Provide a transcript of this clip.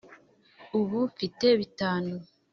ubu mfite bitanu!